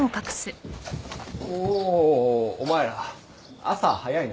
・おおおお前ら朝早いな。